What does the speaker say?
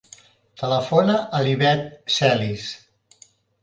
Telefona a l'Ivette Celis.